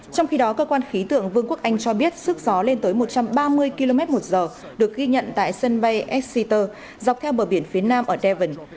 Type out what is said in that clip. trong khi đó cơ quan khí tượng vương quốc anh cho biết sức gió lên tới một trăm ba mươi km một giờ được ghi nhận tại sân bay exeter dọc theo bờ biển phía nam ở daven